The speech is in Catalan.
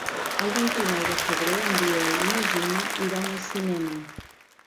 El vint-i-nou de febrer en Biel i na Gina iran al cinema.